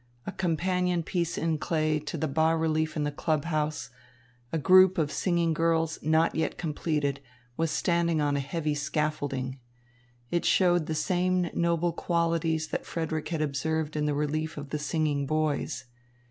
A companion piece in clay to the bas relief in the club house, a group of singing girls not yet completed, was standing on a heavy scaffolding. It showed the same noble qualities that Frederick had observed in the relief of the singing boys.